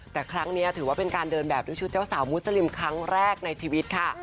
แต่ครั้งนี้ถือว่าเป็นการเดินแบบด้วยชุดเจ้าสาวมุสลิมครั้งแรกในชีวิตค่ะ